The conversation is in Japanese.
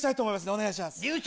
お願いします。